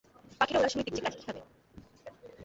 পাখিরা উড়ার সময় দিক ঠিক রাখে কীভাবে?